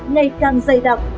ngày càng dày đặc